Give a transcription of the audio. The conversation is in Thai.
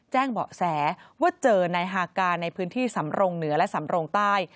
แจ้งเบาะแสว่าเจอนายฮากาในพื้นที่สำรงเหนือและสำรงใต้